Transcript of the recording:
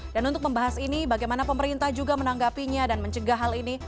dan untuk membahas ini bagaimana pemerintah juga menanggapinya dan mencegah hal ini